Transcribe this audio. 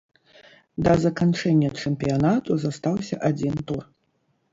Да заканчэння чэмпіянату застаўся адзін тур.